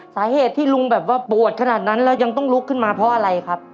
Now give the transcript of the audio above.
สาเหตุที่ลุงแบบว่าปวดขนาดนั้นแล้วยังต้องลุกขึ้นมาเพราะอะไรครับ